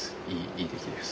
いい出来です。